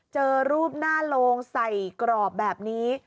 เจอรูปหน้าโลงใส่กรอบแบบนี้